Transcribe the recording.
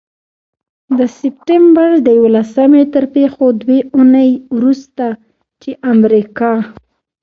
د سپټمبر د یوولسمې تر پيښو دوې اونۍ وروسته، چې امریکا